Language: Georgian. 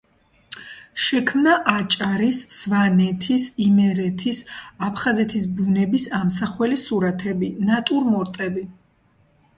შექმნა აჭარის, სვანეთის, იმერეთის, აფხაზეთის ბუნების ამსახველი სურათები, ნატურმორტები.